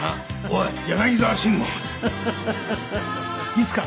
いつか。